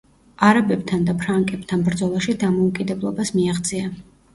არაბებთან და ფრანკებთან ბრძოლაში დამოუკიდებლობას მიაღწია.